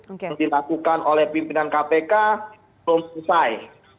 yang dilakukan oleh pimpinan kpk belum selesai